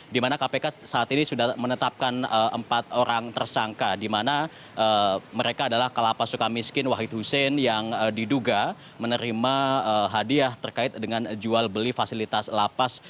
di mana kpk saat ini sudah menetapkan empat orang tersangka di mana mereka adalah kelapa suka miskin wahid hussein yang diduga menerima hadiah terkait dengan jual beli fasilitas lapas